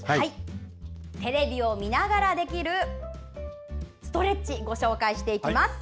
テレビを見ながらできるストレッチご紹介します。